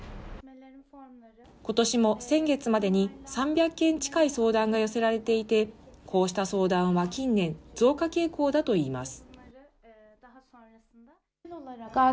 ことしも先月までに３００件近い相談が寄せられていて、こうした相談は近年、増加傾向だといいます。